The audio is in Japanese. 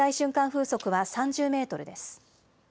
風速は３０メートルです。